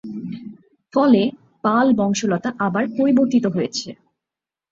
ফলে পাল-বংশলতা আবার পরিবর্তিত হয়েছে।